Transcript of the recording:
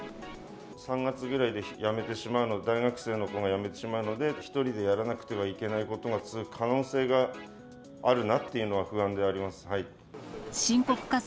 ３月ぐらいで辞めてしまうので、大学生の子が辞めてしまうので、１人でやらなくてはいけないことが続く可能性があるなっていうのは不安であります。